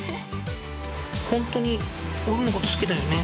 ホントに僕のこと好きだよね？